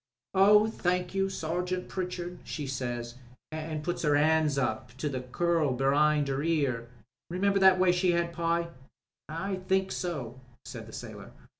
'Oh, thank you, Sergeant Pritchard,' she says, an' put 'er hand up to the curl be'ind 'er ear. Remember that way she had, Pye?" "I think so," said the sailor.